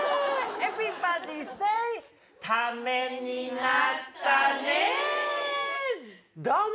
エブリバディ、セイ、ためになったね。